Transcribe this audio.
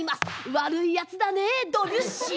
悪いやつだねドビュッシー。